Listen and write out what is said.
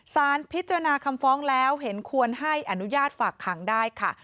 สารพิจารณาคำฟ้องแล้วเห็นควรให้อนุญาตฝากขังได้ค่ะ